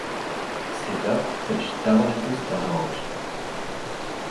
Сега втрещаването стана общо.